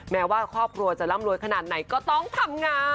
แม้ว่าครอบครัวจะร่ำรวยขนาดไหนก็ต้องทำงาน